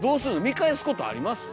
見返すことあります？